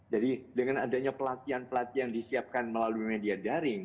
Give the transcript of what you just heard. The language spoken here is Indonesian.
dengan adanya pelatihan pelatihan disiapkan melalui media daring